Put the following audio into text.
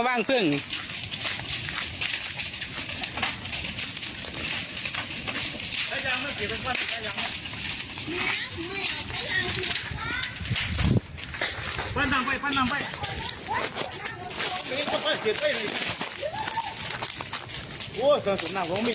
บัดเลย